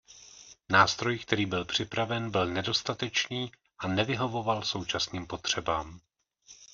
Nástroj, který byl připraven, byl nedostatečný a nevyhovoval současným potřebám.